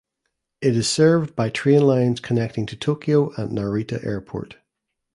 It is served by train lines connecting to Tokyo and Narita Airport.